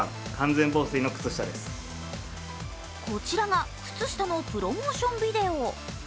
こちらが靴下のプロモーションビデオ。